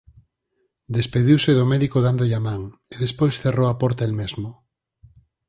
Despediuse do médico dándolle a man, e despois cerrou a porta el mesmo.